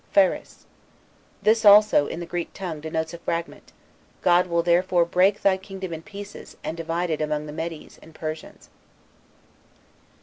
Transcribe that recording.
PHARES. This also, in the Greek tongue, denotes a fragment. God will therefore break thy kingdom in pieces, and divide it among the Medes and Persians."